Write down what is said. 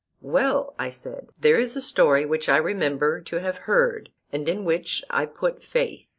Well, I said, there is a story which I remember to have heard, and in which I put faith.